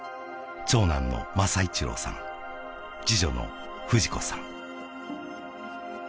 長男の雅一朗さん次女の扶示子さん